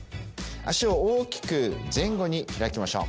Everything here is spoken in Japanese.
足を大きく前後に開きましょう。